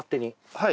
はい。